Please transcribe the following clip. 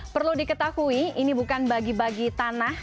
perlu diketahui ini bukan bagi bagi tanah